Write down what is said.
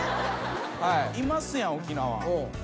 いますやん沖縄。